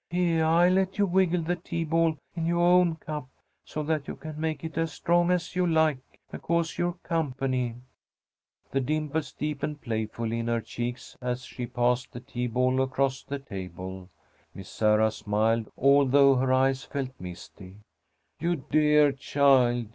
Heah! I'll let you wiggle the tea ball in yoah own cup, so that you can make it as strong as you like, because you're company." The dimples deepened playfully in her cheeks as she passed the tea ball across the table. Miss Sarah smiled, although her eyes felt misty. "You dear child!"